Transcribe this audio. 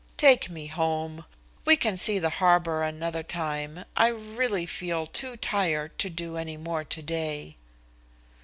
"Take me home. We can see the harbor another time. I really feel too tired to do any more today."